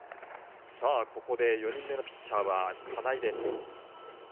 ここで４人目のピッチャーは金井です。